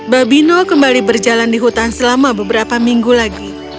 babino kembali berjalan di hutan selama beberapa minggu lagi